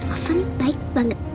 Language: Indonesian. ovang baik banget